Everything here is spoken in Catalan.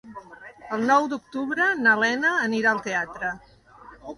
El nou d'octubre na Lena anirà al teatre.